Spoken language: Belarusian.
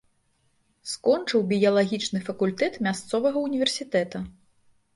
Скончыў біялагічны факультэт мясцовага ўніверсітэта.